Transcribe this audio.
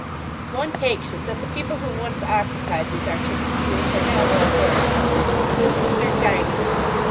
One takes it that the people who once occupied these artistic rooms are now all dead. This was their "Dining Room."